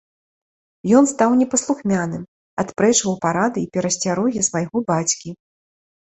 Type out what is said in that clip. Ён стаў непаслухмяным, адпрэчваў парады і перасцярогі свайго бацькі.